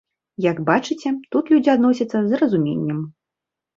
Як бачыце, тут людзі адносяцца з разуменнем.